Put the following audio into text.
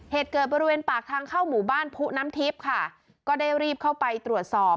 เหตุเกิดบริเวณปากทางเข้าหมู่บ้านผู้น้ำทิพย์ค่ะก็ได้รีบเข้าไปตรวจสอบ